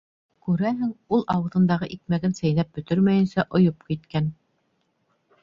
Күрәһең, ул ауыҙындағы икмәген сәйнәп бөтөрмәйенсә ойоп киткән.